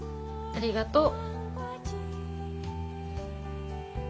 ありがとう。